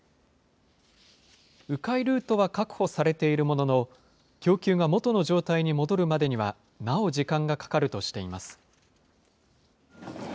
う回ルートは確保されているものの、供給が元の状態に戻るまでには、なお時間がかかるとしています。